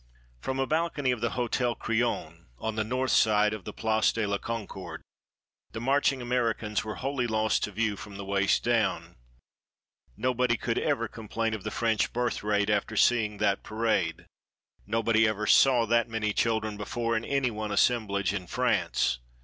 From a balcony of the Hotel Crillon, on the north side of the Place de la Concorde, the marching Americans were wholly lost to view from the waist down. Nobody could ever complain of the French birth rate after seeing that parade. Nobody ever saw that many children before in any one assemblage in France.